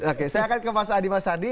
oke saya akan ke mas adi mas adi